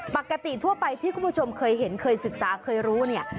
ปกติทั่วไปที่คุณผู้ชมเคยเห็นเคยศึกษาเคยรู้เนี่ย